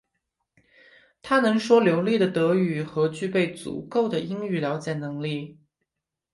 他能说流利的德语和具备足够的英语了解能力。